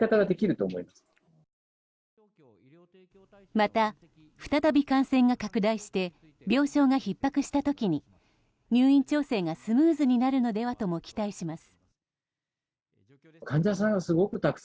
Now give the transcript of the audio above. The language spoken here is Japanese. また再び感染が拡大して病床がひっ迫した時に入院調整がスムーズになるのではとも期待します。